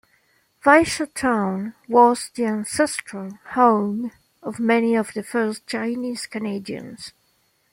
Baisha town was the ancestral home of many of the first Chinese Canadians.